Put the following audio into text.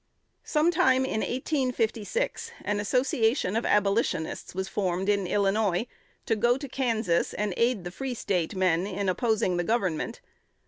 Sometime in 1856 an association of Abolitionists was formed in Illinois to go to Kansas and aid the Free State men in opposing the Government.